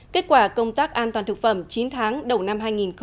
kết quả công tác an toàn thực phẩm chín tháng đầu năm hai nghìn một mươi chín